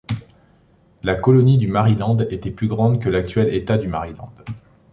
La colonie du Maryland était plus grande que l’actuel État du Maryland.